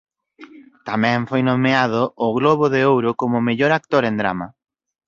Tamén foi nomeado ao Globo de Ouro como mellor actor en drama.